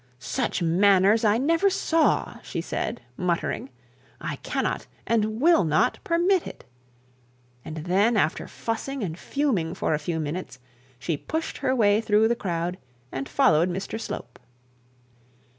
'Such manners I never saw,' she said, muttering. 'I cannot, and will not permit it;' and then, after fussing and fuming for a few minutes, she pushed her way through the crowd, and followed Mr Slope.